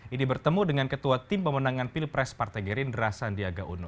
ini bertemu dengan ketua tim pemenangan pilpres partai gerindra sandiaga uno